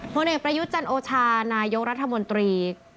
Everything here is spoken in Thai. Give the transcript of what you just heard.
ผลเอกประยุทธ์จันโอชานายกรัฐมนตรี